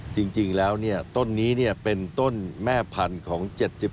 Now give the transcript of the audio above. จริงแล้วเนี่ยต้นนี้เนี่ยเป็นต้นแม่พันธุ์ของ๗๐